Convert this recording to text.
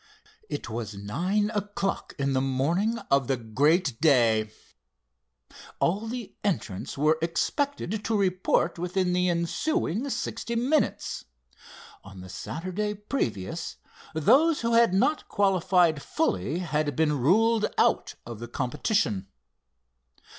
It was nine o'clock in the morning of the great day. All the entrants were expected to report within the ensuing sixty minutes. On the Saturday previous those who had not qualified fully had been ruled out of the competition.